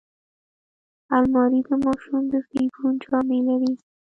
الماري د ماشوم د زیږون جامې لري